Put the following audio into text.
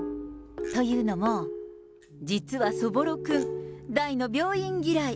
というのも、実はそぼろくん、大の病院嫌い。